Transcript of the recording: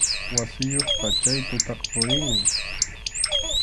Wasiyuqqa chay tutaqa purinmi.